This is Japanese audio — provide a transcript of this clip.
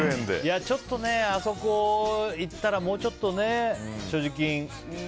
ちょっとあそこ行ったらもうちょっと所持金ね。